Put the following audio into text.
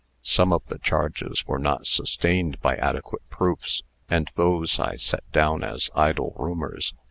Some of the charges were not sustained by adequate proofs, and those I set down as idle rumors.